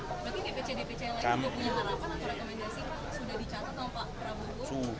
berarti dpc dpc lain juga punya harapan atau rekomendasi